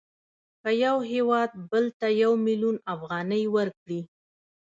که یو هېواد بل ته یو میلیون افغانۍ ورکړي